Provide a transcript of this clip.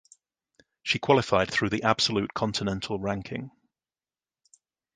She qualified through the Absolute Continental Ranking.